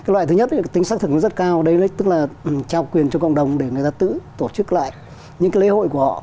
loại thứ nhất tính xác thực rất cao tức là trao quyền cho cộng đồng để người ta tự tổ chức lại những lễ hội của họ